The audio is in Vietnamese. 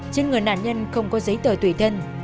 trên người nạn nhân không có giấy tờ tùy thân